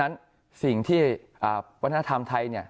แล้วสิ่งที่วันทนาธรรมไทยเนี่ย